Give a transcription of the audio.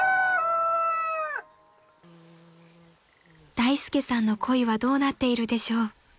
［大介さんの恋はどうなっているでしょう？］